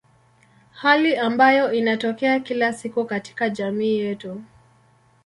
Hali ambayo inatokea kila siku katika jamii yetu.